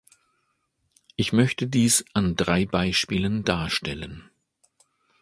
Ich möchte dies an drei Beispielen darstellen.